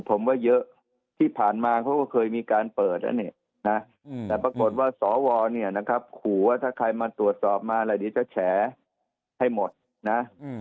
ผมว่าเยอะที่ผ่านมาเขาก็เคยมีการเปิดแล้วเนี่ยนะแต่ปรากฏว่าสวเนี่ยนะครับขู่ว่าถ้าใครมาตรวจสอบมาอะไรเดี๋ยวจะแฉให้หมดนะ